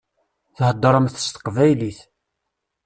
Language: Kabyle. Theddṛemt s teqbaylit.